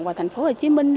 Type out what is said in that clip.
và thành phố hồ chí minh